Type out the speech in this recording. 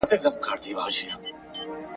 یو په غوړه ګودړۍ کي وي پېچلی ,